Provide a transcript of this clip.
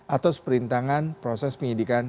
atau seperintangan proses penyidikan